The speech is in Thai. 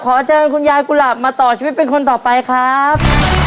ขอเชิญคุณยายกุหลาบมาต่อชีวิตเป็นคนต่อไปครับ